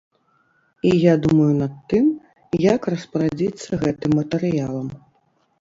І я думаю над тым, як распарадзіцца гэтым матэрыялам.